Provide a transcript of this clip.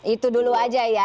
itu dulu aja ya